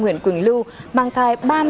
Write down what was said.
huyện quỳnh lưu mang thai